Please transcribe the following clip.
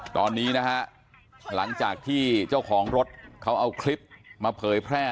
ตอนนี้นะฮะหลังจากที่เจ้าของรถเขาเอาคลิปมาเผยแพร่